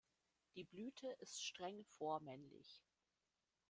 Die Blüte ist streng vormännlich.